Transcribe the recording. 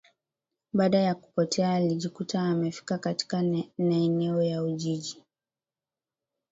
Baada ya kupotea akajikuta amefika katika naeneo ya ujiji